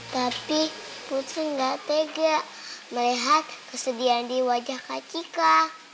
tapi putri gak tega melihat kesedihan di wajah kak cika